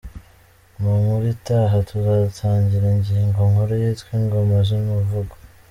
Mu nkuru itaha tuzatangira ingingo nkuru yitwa“Ingoma-z’Imivugo”.